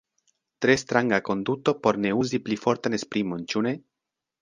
Tre stranga konduto por ne uzi pli fortan esprimon ĉu ne?